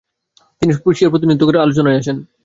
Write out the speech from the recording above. তিনি প্রুশিয়ার প্রতিনিধিত্ব করে আলোচনায় আসেন।